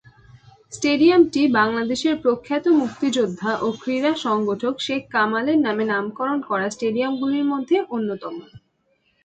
স্টেডিয়ামটি বাংলাদেশের প্রখ্যাত মুক্তিযোদ্ধা ও ক্রীড়া সংগঠক শেখ কামালের নামে নামকরণ করা স্টেডিয়াম গুলির মধ্যে অন্যতম।